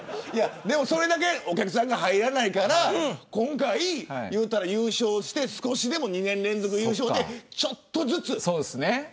それだけお客さんが入らないから今回優勝して少しでも２年連続優勝でちょっとずつ。